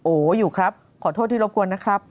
โอ้โหอยู่ครับขอโทษที่รบกวนนะครับ